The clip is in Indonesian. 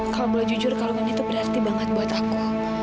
kalau boleh jujur kalung ini tuh berarti banget buat aku